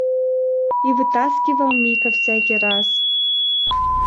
И вытаскивал Мика всякий раз.